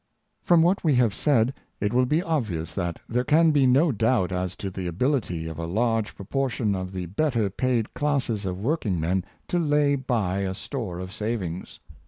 From what we have said, it will be obvious that there can be no doubt as to the ability of a large pro portion of the better paid classes of workingmen to lay by a store of savings.